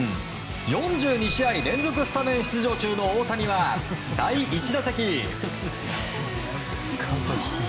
４２試合連続スタメン出場中の大谷は第１打席。